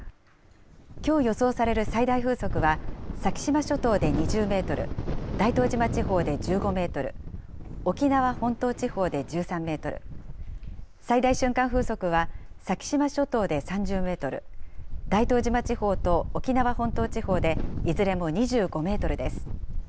きょう予想される最大風速は、先島諸島で２０メートル、大東島地方で１５メートル、沖縄本島地方で１３メートル、最大瞬間風速は先島諸島で３０メートル、大東島地方と沖縄本島地方でいずれも２５メートルです。